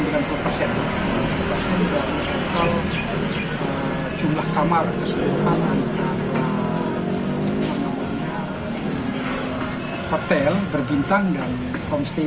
dan juga jumlah kamar keseluruhan hotel berbintang dan homestay